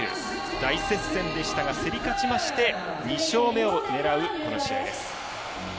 大接戦でしたが競り勝ちまして２勝目を狙う、この試合です。